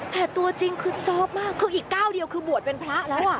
แต่ตัวจริงคือซอฟต์มากคืออีกก้าวเดียวคือบวชเป็นพระแล้ว